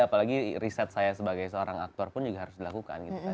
apalagi riset saya sebagai seorang aktor pun juga harus dilakukan gitu kan